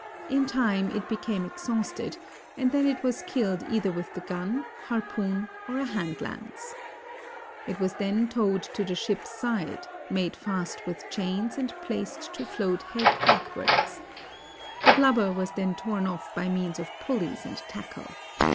In time it became exhausted and then it was killed either with the gun, harpoon or a hand lance. It was then towed to the ship's side, made fast with chains and placed to float head backwards. The blubber was then torn off by means of pulleys and tackle.